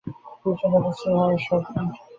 তিনি সিদ্ধান্ত করিয়াছেন, উহা ঈশ্বরপ্রেম।